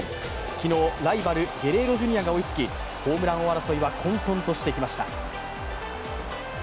昨日、ライバル、ゲレーロジュニアが追いつき、ホームラン王争いは混とんとしてきました。